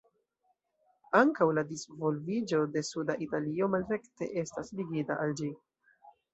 Ankaŭ la disvolviĝo de suda Italio malrekte estas ligita al ĝi.